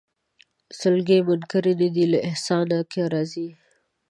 سلګۍ منکري نه دي له احسانه که راځې